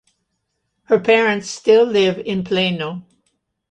Her parents still live in Plano.